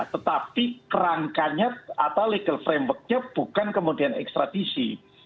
tetapi kerangkanya atau legal frameworknya bukan kemudian ekstradisi